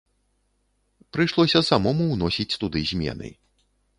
Прыйшлося самому ўносіць туды змены.